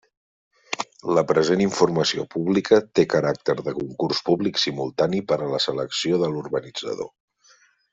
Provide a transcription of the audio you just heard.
La present informació pública té caràcter de concurs públic simultani per a la selecció de l'urbanitzador.